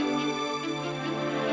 aku membela mereka baru saja